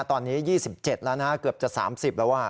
ตอนนี้๒๗แล้วนะเกือบจะ๓๐แล้ว